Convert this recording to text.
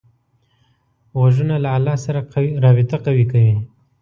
غوږونه له الله سره رابطه قوي کوي